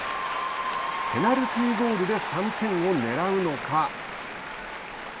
ペナルティーゴールで３点をねらうのか。